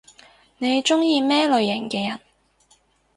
你中意咩類型嘅人？